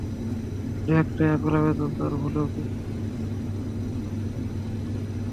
শুধু একটাই আকুল আবেদন তাঁর, ভুলেও কিন্তু একা একা অ্যালোন দেখবেন না।